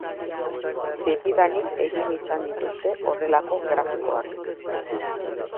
Betidanik egin izan dituzte horrelako grafikoak.